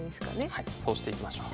はいそうしていきましょう。